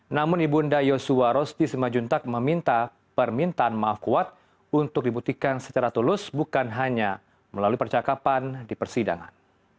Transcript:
namun ibu unda yosua rosti simajuntak meminta permintaan maaf kuat untuk dibuktikan secara tulus bukan hanya melalui percakapan di persidangan